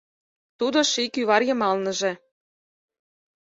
Тудо ший кӱвар йымалныже